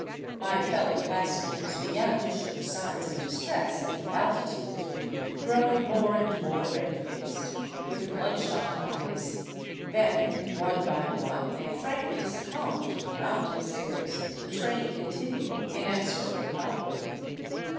My fellow passengers began to show signs of distress at the altitude, growing more and more red faced, with bloodshot eyes; then one by one they frankly succumbed to mountain sickness as the train con tinued inexorably upward.